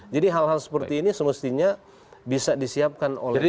hal hal seperti ini semestinya bisa disiapkan oleh pemerintah